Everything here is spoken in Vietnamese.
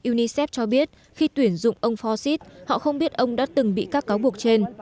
unicef cho biết khi tuyển dụng ông fosit họ không biết ông đã từng bị các cáo buộc trên